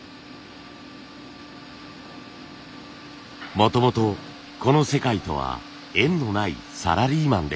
もともとこの世界とは縁のないサラリーマンでした。